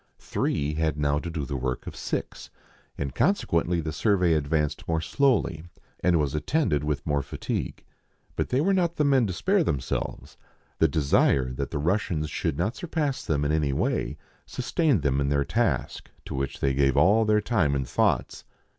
Three had now to do the work of six, and consequently the survey advanced more slowly, and was attended with more fatigue ; but they were not the men to spare them selves ; the desire that the Russians should not surpass them in any way sustained them in their task, to which they gave all their time and thoughts.